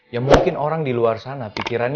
ya mungkin orang di luar sana pikirannya orang itu